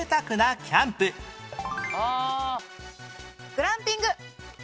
グランピング。